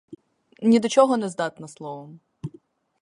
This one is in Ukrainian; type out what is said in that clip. Ні до чого не здатна, словом.